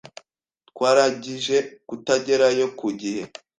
Twarangije kutagerayo ku gihe.